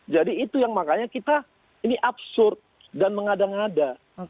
itu yang makanya kita ini absurd dan mengada ngada